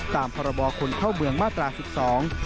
ตามธรรมประโบคนเข้าเมืองมาตราสิบสอง